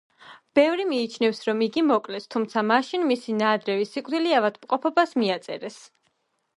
ბევრი მიიჩნევს, რომ იგი მოკლეს, თუმცა მაშინ მისი ნაადრევი სიკვდილი ავადმყოფობას მიაწერეს.